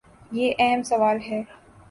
یہ اہم سوال ہے۔